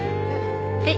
えっ。